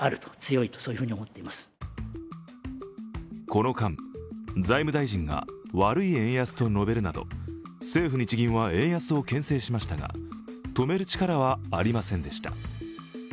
この間、財務大臣が悪い円安と述べるなど政府日銀は円安をけん制しましたが、止め力はありませんでした。